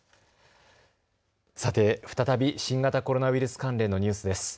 さて再び新型コロナウイルス関連のニュースです。